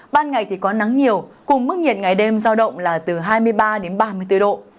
các ngày có nắng nhiều cùng mức nhiệt ngày đêm do động là từ hai mươi ba đến ba mươi bốn độ